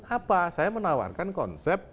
apa saya menawarkan konsep